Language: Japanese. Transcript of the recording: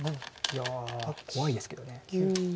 いや怖いですけど。